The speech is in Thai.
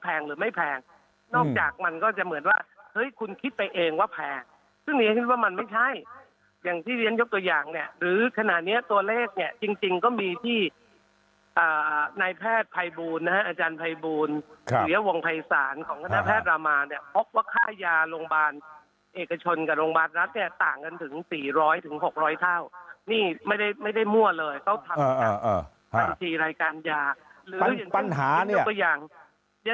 คุณสุภาพว่าคุณสุภาพว่าคุณสุภาพว่าคุณสุภาพว่าคุณสุภาพว่าคุณสุภาพว่าคุณสุภาพว่าคุณสุภาพว่าคุณสุภาพว่าคุณสุภาพว่าคุณสุภาพว่าคุณสุภาพว่าคุณสุภาพว่าคุณสุภาพว่าคุณสุภาพว่าคุณสุภาพว่าคุณสุภาพว่า